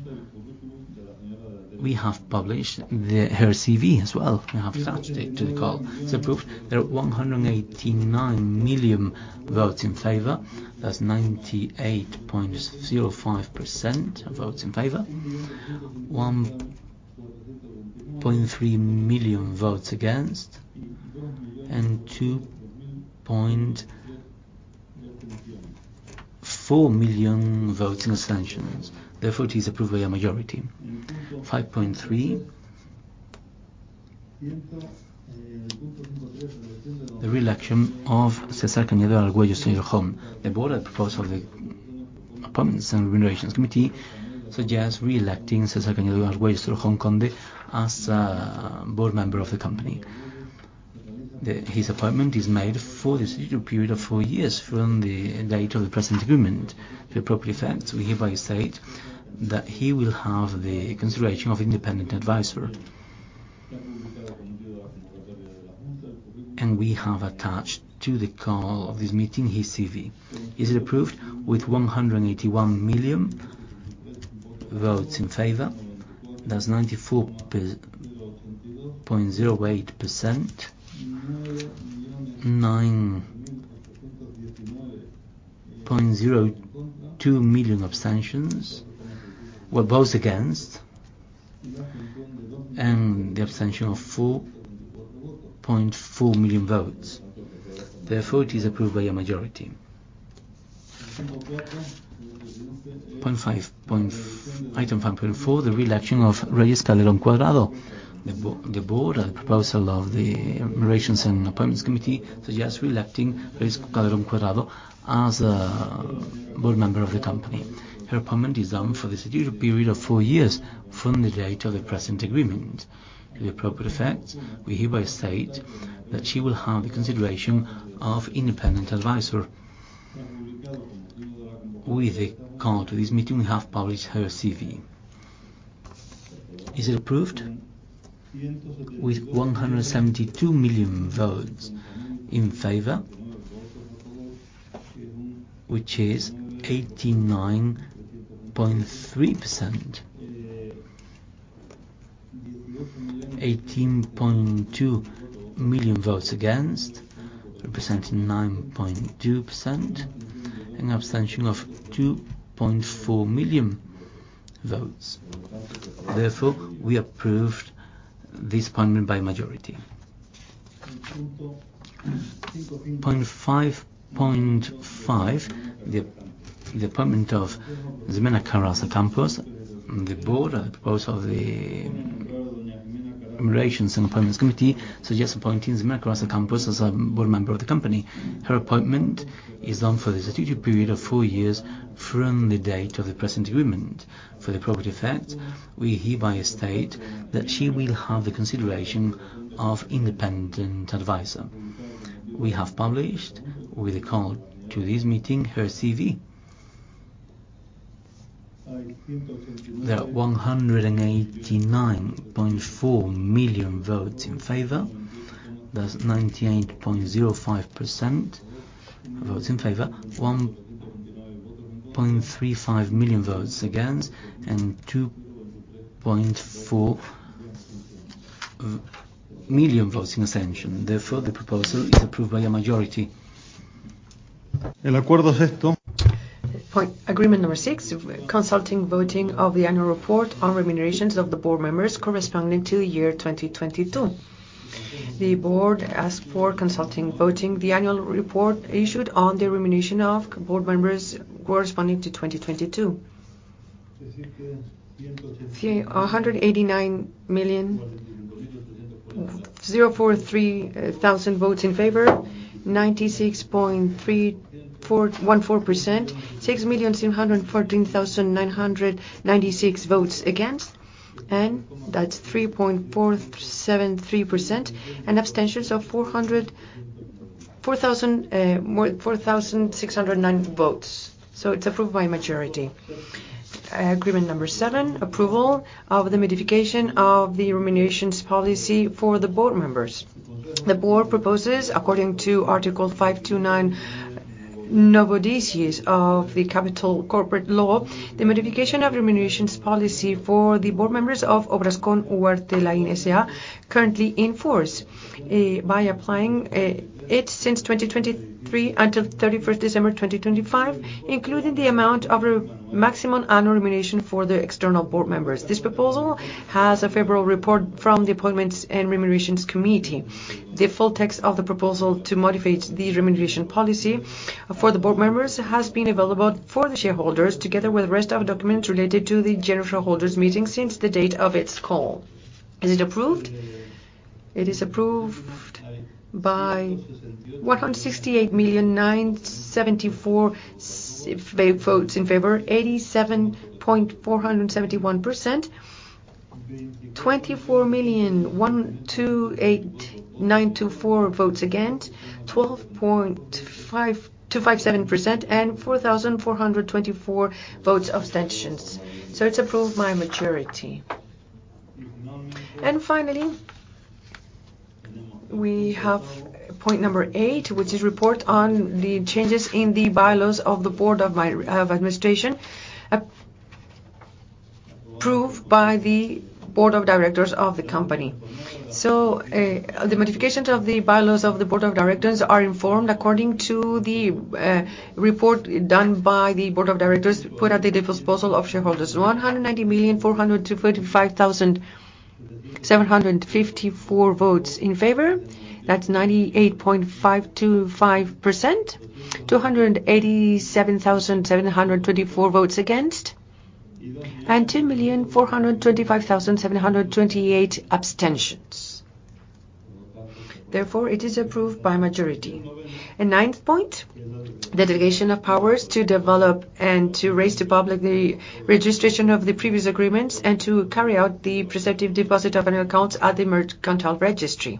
We have published her CV as well. We have attached it to the call. It's approved. There are 189 million votes in favor. That's 98.05% of votes in favor, 1.3 million votes against, and 2.4 million votes in abstentions. Therefore, it is approved by a majority. Point 5.3, the re-election of César Cañedo-Argüelles Torrejón. The board, at the proposal of the Appointments and Remuneration Committee, suggests re-electing César Cañedo-Argüelles Torrejón as a board member of the company. His appointment is made for the period of 4 years from the date of the present agreement. The appropriate facts, we hereby state that he will have the consideration of independent advisor. We have attached to the call of this meeting, his CV. Is it approved? With 181 million votes in favor, that's 94.08%. 9.02 million abstentions were votes against, and the abstention of 4.4 million votes. It is approved by a majority. Item 5.4, the re-election of Reyes Calderón Cuadrado. The board, at the proposal of the Appointments and Remuneration Committee, suggests re-electing Reyes Calderón Cuadrado as a board member of the company. Her appointment is done for the period of 4 years from the date of the present agreement. To the appropriate effect, we hereby state that she will have the consideration of independent advisor. With the call to this meeting, we have published her CV. Is it approved? With 172 million votes in favor, which is 89.3%. 18.2 million votes against, representing 9.2%, and abstention of 2.4 million votes. Therefore, we approved this appointment by majority. Point 5.5, the appointment of Ximena Caraza Campos. The board, at the proposal of the Appointments and Remuneration Committee, suggests appointing Ximena Caraza Campos as a board member of the company. Her appointment is done for the strategic period of four years from the date of the present agreement. For the appropriate effect, we hereby state that she will have the consideration of independent advisor. We have published, with the call to this meeting, her CV. There are 189.4 million votes in favor. That's 98.05% votes in favor, 1.35 million votes against, and 2.4 million votes in abstention. Therefore, the proposal is approved by a majority. Agreement number six, consulting voting of the annual report on remunerations of the board members corresponding to the year 2022. The board asked for consulting voting. The annual report issued on the remuneration of board members corresponding to 2022. See 189,043,000 votes in favor, 96.3414%. 6,214,996 votes against. That's 3.473%, and abstentions of 4,609 votes. It's approved by a majority. Agreement number 7, approval of the modification of the remunerations policy for the board members. The board proposes, according to Article 529 novodecies of the Law on Corporations, the modification of remunerations policy for the board members of Obrascón Huarte Lain, S.A., currently in force, by applying it since 2023 until 31st December 2025, including the maximum annual remuneration for the external board members. This proposal has a favorable report from the Appointments and Remuneration Committee. The full text of the proposal to modify the remuneration policy for the board members has been available for the shareholders, together with the rest of documents related to the general shareholders meeting since the date of its call. Is it approved? It is approved by 168 million, 974 votes in favor. 87.471%. 24 million, 128,924 votes against. 12.5257%, and 4,424 votes, abstentions. It's approved by a majority. Finally, we have point number eight, which is report on the changes in the bylaws of the Board of Administration, approved by the board of directors of the company. The modifications of the bylaws of the board of directors are informed according to the report done by the board of directors put at the disposal of shareholders. 190 million, 435,754 votes in favor, that's 98.525%. 287,724 votes against, and 2 million, 425,728 abstentions. Therefore, it is approved by majority. Ninth point, the delegation of powers to develop and to raise to public the registration of the previous agreements and to carry out the perceptive deposit of annual accounts at the Mercantile Registry,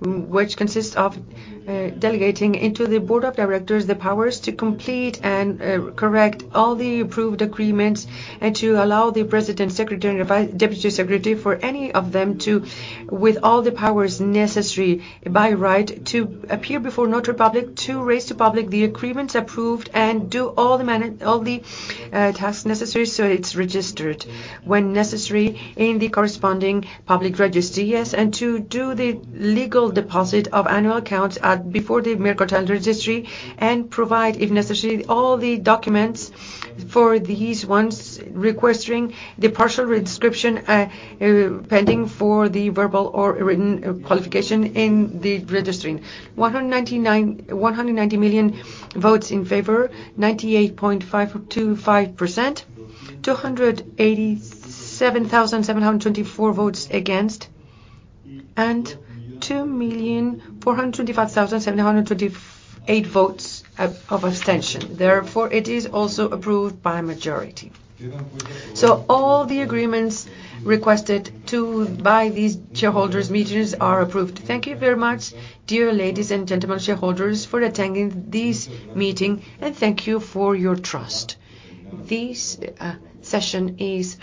which consists of delegating into the Board of Directors the powers to complete and correct all the approved agreements, and to allow the president, secretary, and deputy secretary, for any of them to, with all the powers necessary by right, to appear before notary public, to raise to public the agreements approved, and do all the tasks necessary, so it's registered when necessary in the corresponding public registry. To do the legal deposit of annual accounts at before the Mercantile Registry, and provide, if necessary, all the documents for these ones, requesting the partial redescription pending for the verbal or written qualification in the registering. 190 million votes in favor, 98.525%, 287,724 votes against, and 2,425,728 votes of abstention. It is also approved by a majority. All the agreements requested by these shareholders' meetings are approved. Thank you very much, dear ladies and gentlemen shareholders, for attending this meeting, and thank you for your trust. This session is...